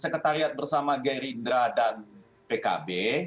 sekretariat bersama geri indra dan pkb